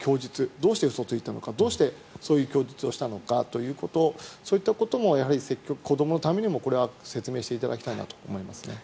どうして嘘をついたのかどうしてそういう供述をしたのかということそういったことも子どものためにも説明していただきたいと思います。